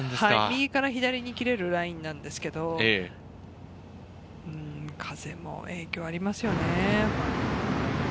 右から左に切れるラインなんですけれど、風も影響ありますよね。